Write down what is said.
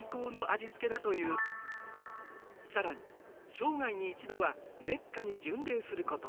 更に生涯に一度はメッカに巡礼すること。